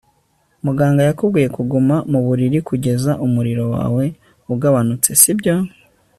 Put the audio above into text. Muganga yakubwiye kuguma mu buriri kugeza umuriro wawe ugabanutse sibyo